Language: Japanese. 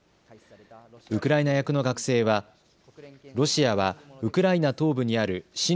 ウクライナ役の学生はロシアはウクライナ東部にある親